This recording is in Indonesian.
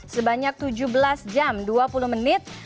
sebanyak tujuh belas jam dua puluh menit